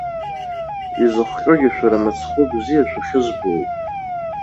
Изыхҟьогьы шәара мыцхәы бзиа шәахьызбо ауп.